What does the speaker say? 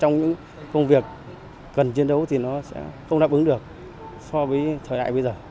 trong những công việc cần chiến đấu thì nó sẽ không đáp ứng được so với thời đại bây giờ